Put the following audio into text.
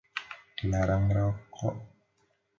Dilarang merokok!